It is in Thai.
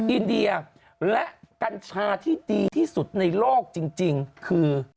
อินเดียและกัญชาที่ดีที่สุดในโลกจริงคือ